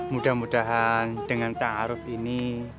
mudah mudahan dengan ta'aruf ini